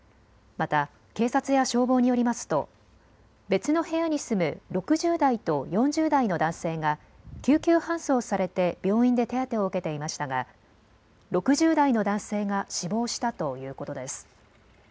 また警察や消防によりますと別の部屋に住む６０代と４０代の男性が救急搬送されて病院で手当てを受けていましたが６０代の男性が死亡したということです。